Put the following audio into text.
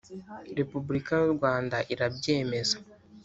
Repulika y’u Rwanda irabyemeza